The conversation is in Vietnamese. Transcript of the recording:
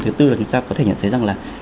thứ tư là chúng ta có thể nhận thấy rằng là